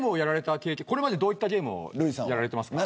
これまでどういったゲームをやられてますか。